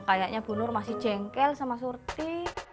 kayaknya bu nur masih jengkel sama surti